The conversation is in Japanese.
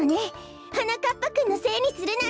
はなかっぱくんのせいにするなんて。